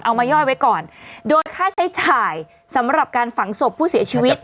มาย่อยไว้ก่อนโดยค่าใช้จ่ายสำหรับการฝังศพผู้เสียชีวิต